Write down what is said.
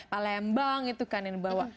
palembang itu kan yang dibawa